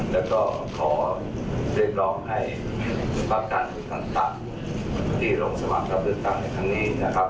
และก็ขอเรียบร้อยให้ภาคการณ์ผู้ชายต่างที่ลงสมัครการเงินตังในครั้งนี้นะครับ